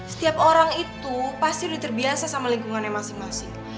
setiap orang itu pasti sudah terbiasa sama lingkungannya masing masing